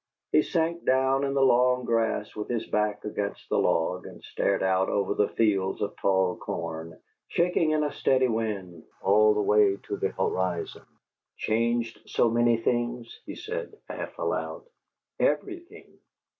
He sank down in the long grass, with his back against the log, and stared out over the fields of tall corn, shaking in a steady wind all the way to the horizon. "Changed so many things?" he said, half aloud. "Everything!"